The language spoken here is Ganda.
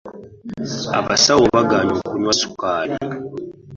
Abasawo bagaanye okunywa sukaali.